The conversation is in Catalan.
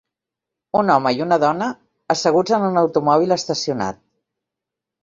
Un home i una dona asseguts en un automòbil estacionat.